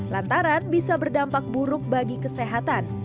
lantaran bisa berdampak buruk bagi kesehatan